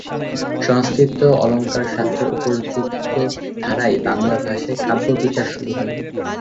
সংস্কৃত অলঙ্কারশাস্ত্রের উপর্যুক্ত ধারায় বাংলা ভাষায় কাব্যবিচার শুরু হয়।